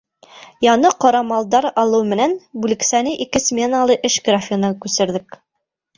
— Яңы ҡорамалдар алыу менән бүлексәне ике сменалы эш графигына күсерҙек.